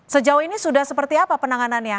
sejauh ini sudah seperti apa penanganannya